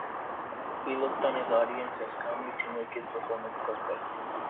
He looked on his audience as kami to make his performance perfect.